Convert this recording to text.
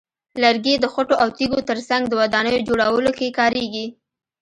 لرګي د خټو او تیږو ترڅنګ د ودانیو جوړولو کې کارېږي.